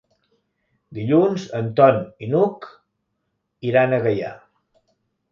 Dilluns en Ton i n'Hug iran a Gaià.